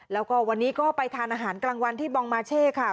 แล้วก็วันนี้ก็ไปทานอาหารกลางวันที่บองมาเช่ค่ะ